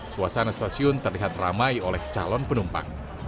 suasana stasiun terlihat ramai oleh calon penumpang